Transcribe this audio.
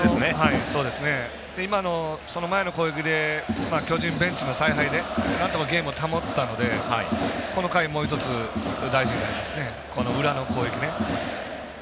その前の攻撃で巨人ベンチの采配でなんとか、ゲームを保ったのでこの回、もう１つ大事になりますね、裏の攻撃ね。